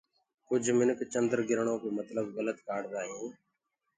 ڪُج منک چنڊگِرڻو ڪو متلب گلت ڪآردآ هينٚ